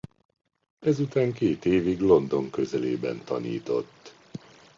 Ezután két évig London közelében tanított.